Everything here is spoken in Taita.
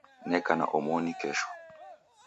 Neka na omoni kesho